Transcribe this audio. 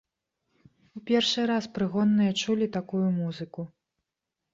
У першы раз прыгонныя чулі такую музыку.